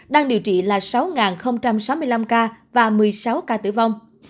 đang điều trị là sáu sáu mươi năm ca và một mươi sáu ca tử vong